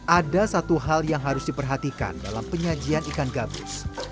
ada satu hal yang harus diperhatikan dalam penyajian ikan gabus